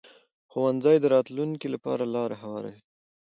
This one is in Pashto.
ښوونځی د راتلونکي لپاره لار هواروي